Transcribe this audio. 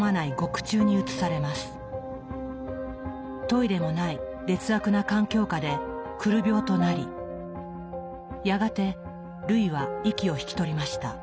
トイレもない劣悪な環境下でくる病となりやがてルイは息を引き取りました。